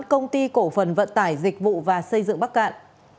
công ty cổ phần vận tải dịch vụ và xây dựng bắc cạn